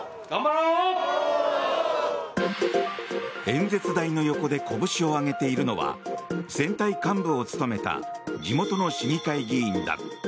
演説台の横でこぶしを上げているのは選対幹部を務めた地元の市議会議員だ。